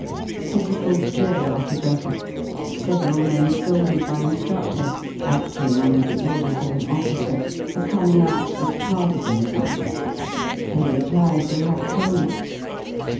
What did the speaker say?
Physical drill after brekker. Several men scolded by in^rudor (adling under the orders of an officer) for coming out with cardigans on. They replied they had colds.